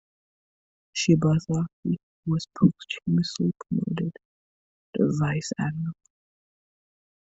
Shibazaki was posthumously promoted to vice-admiral.